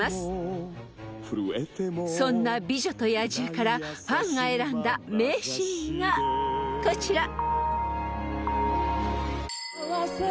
［そんな『美女と野獣』からファンが選んだ名シーンがこちら］